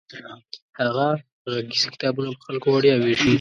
هغه غږیز کتابونه په خلکو وړیا ویشي.